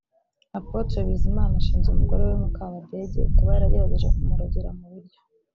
Apotre Bizimana ashinja umugore we Mukabadege kuba yaragerageje kumurogera mu biryo